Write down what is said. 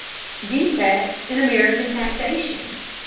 DEFECTS IN AMERICAN TAXATION 396.